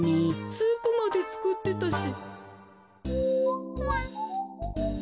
スープまでつくってたし。